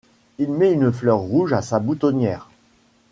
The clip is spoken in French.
Il met une fleur rouge à sa boutonnière.